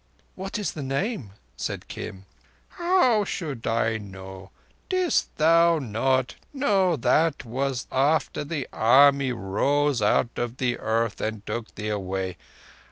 "What is the name?" said Kim. "How should I know? Didst thou not—no, that was after the Army rose out of the earth and took thee away.